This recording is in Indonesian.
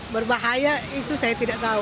berbahaya itu saya tidak tahu